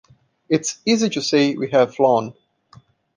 It's easy to say, 'We have flown.